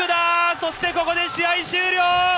そして、ここで試合終了。